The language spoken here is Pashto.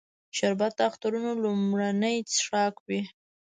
شربت د اخترونو لومړنی څښاک وي